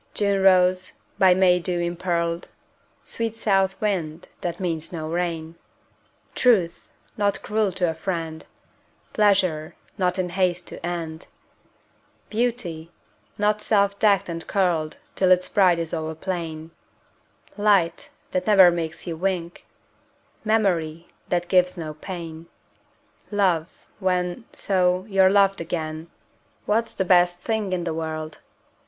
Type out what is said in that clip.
June rose, by May dew impearled; Sweet south wind, that means no rain; Truth, not cruel to a friend; Pleasure, not in haste to end; Beauty, not self decked and curled Till its pride is over plain; Light, that never makes you wink; Memory, that gives no pain; Love, when, so, you're loved again. What's the best thing in the world?